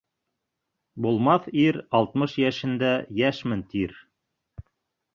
Булмаҫ ир алтмыш йәшендә йәшмен, тир.